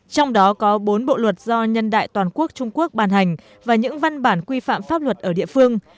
trong đó có bốn bộ luật do nhân đại toàn quốc trung quốc bàn hành và những văn bản quy phạm pháp luật ở địa phương